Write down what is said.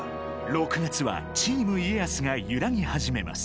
６月は「チーム家康」が揺らぎ始めます。